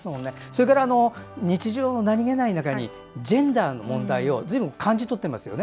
それから、日常の何気ない中にジェンダーの問題をずいぶん感じ取ってますよね